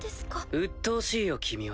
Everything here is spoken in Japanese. うっとうしいよ君は。